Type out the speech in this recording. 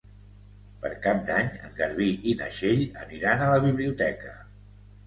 Per Cap d'Any en Garbí i na Txell aniran a la biblioteca.